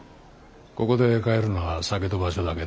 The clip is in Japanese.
ここで買えるのは酒と場所だけだ。